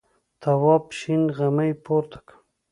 تواب شین غمی پورته کړ.